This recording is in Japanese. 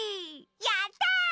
やった！